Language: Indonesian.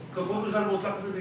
keputusan bokak itu di